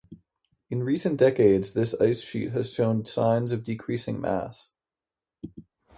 In recent decades this ice sheet has shown signs of decreasing mass.